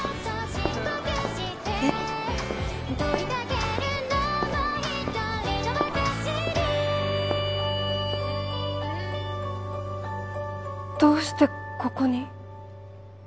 えっどうしてここに？